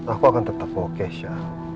aku akan tetap mau kesha